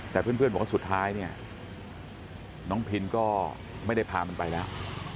แต่เพื่อนบอกว่าสุดท้ายเนี่ยน้องพินก็ไม่ได้พามันไปแล้ว